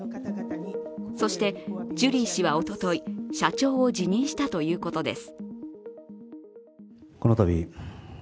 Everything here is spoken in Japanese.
そして、ジュリー氏はおととい、社長を辞任したということです。